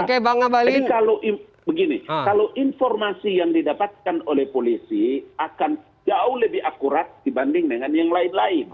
kalau begini kalau informasi yang didapatkan oleh polisi akan jauh lebih akurat dibanding dengan yang lain lain